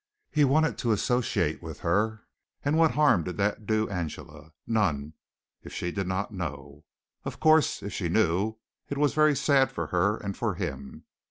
He wanted to associate with her. And what harm did that do Angela? None, if she did not know. Of course, if she knew, it was very sad for her and for him.